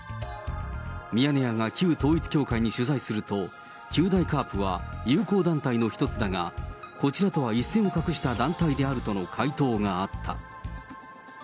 ミヤネ屋が旧統一教会に取材すると、九大カープは友好団体の一つだが、こちらとは一線を画した団体であるとの回答があった。